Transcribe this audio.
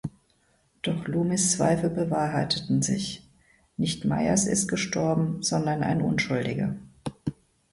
Doch Loomis’ Zweifel bewahrheiten sich: Nicht Myers ist gestorben, sondern ein Unschuldiger.